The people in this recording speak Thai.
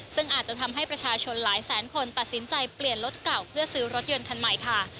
ซึ่งอาจจะทำให้ประชาชนหลายแสนคนตัดสินใจเปลี่ยนรถเก่าเพื่อซื้อรถยนต์คันใหม่ค่ะ